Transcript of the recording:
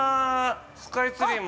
スカイツリーも。